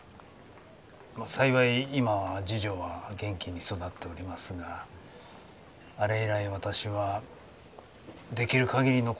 まあ幸い今は次女は元気に育っておりますがあれ以来私はできる限りのことは何でもしようと。